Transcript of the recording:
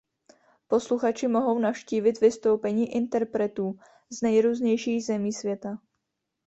Posluchači mohou navštívit vystoupení interpretů z nejrůznějších zemí světa.